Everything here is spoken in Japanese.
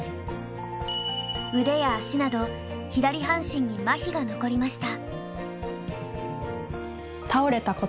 腕や足など左半身にマヒが残りました。